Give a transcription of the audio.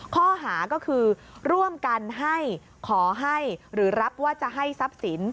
ข้อหาก็คือร่วมกันให้ขอให้หรือรับว่าจะให้ทรัพย์สิน